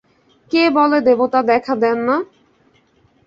কে বলে দেবতা দেখা দেন না!